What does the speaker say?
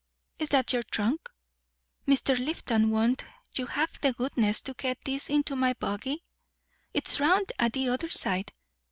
Is that your trunk? Mr. Lifton, won't you have the goodness to get this into my buggy? it's round at the other side.